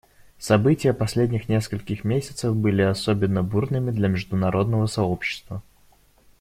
События последних нескольких месяцев были особенно бурными для международного сообщества.